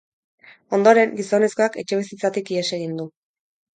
Ondoren, gizonezkoak etxebizitzatik ihes egin du.